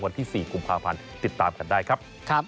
วันที่๔กุมภาพันธ์ติดตามกันได้ครับ